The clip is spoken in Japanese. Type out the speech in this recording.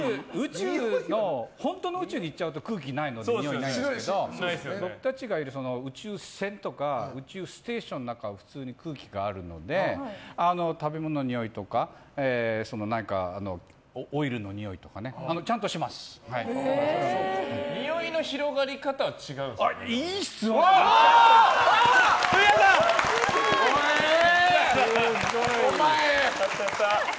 本当の宇宙に行っちゃうと空気ないのでにおい、ないんですけど僕たちがいる宇宙船とか宇宙ステーションの中は普通に空気があるので食べ物のにおいとかオイルのにおいとかねにおいの広がり方はいい質問ですね！